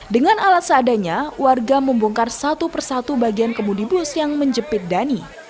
dengan alat seadanya warga membongkar satu persatu bagian kemudibus yang menjepit dani